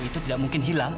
itu tidak mungkin hilang